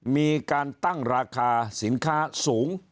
มีการตั้งราคาสินค้าสูง